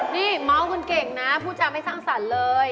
นี่เมาส์คุณเก่งนะผู้จำไม่สร้างสรรค์เลย